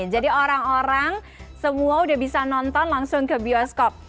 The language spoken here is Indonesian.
jadi orang orang semua udah bisa nonton langsung ke bioskop